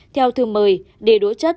theo thư mời đề đối chất